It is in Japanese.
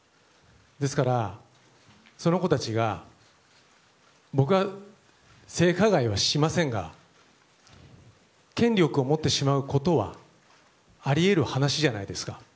ですから、その子たちが僕は性加害はしませんが権力を持ってしまうことはあり得る話じゃないですか。